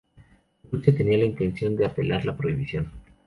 Rusia tenía la intención de apelar la prohibición.